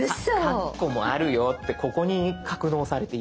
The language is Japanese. カッコもあるよってここに格納されています。